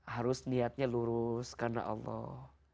harus niatnya lurus karena allah